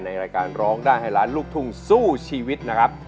ในรายการร้องได้ให้ล้านลูกทุ่งสู้ชีวิตนะครับ